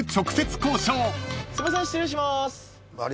すいません失礼します。